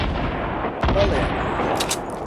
بەڵێ.